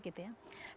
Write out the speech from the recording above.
plastik gitu ya